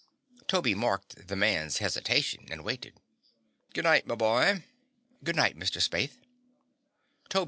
Toby marked the man's hesitation and waited. "Good night, my boy." "Good night, Mr. Spaythe."